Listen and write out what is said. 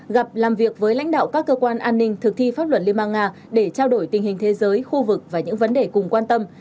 gặp làm việc với lãnh đạo các cơ quan an ninh thực thi pháp luật liên bang nga để trao đổi tình hình thế giới khu vực và những vấn đề cùng quan tâm